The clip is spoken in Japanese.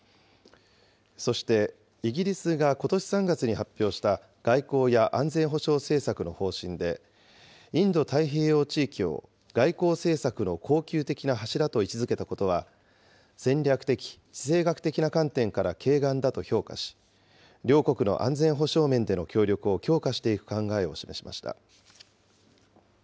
そして、イギリスがことし３月に発表した外交や安全保障政策の方針で、インド太平洋地域を外交政策の恒久的な柱と位置づけたことは、戦略的・地政学的な観点からけい眼だと評価し、両国の安全保障面での協力を強化していく考えを示しました。